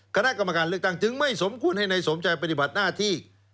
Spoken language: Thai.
คณะกรรมการเลือกตั้งจึงไม่สมควรให้นายสมใจปฏิบัติหน้าที่